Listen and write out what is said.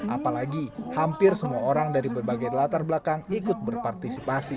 apalagi hampir semua orang dari berbagai latar belakang ikut berpartisipasi